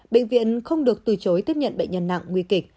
bệnh viện không được từ chối tiếp nhận bệnh nhân nặng nguy kịch